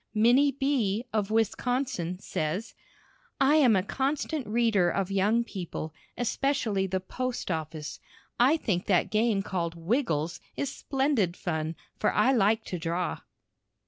Minnie B., of Wisconsin, says: I am a constant reader of Young People, especially the "Post Office." I think that game called "Wiggles" is splendid fun, for I like to draw.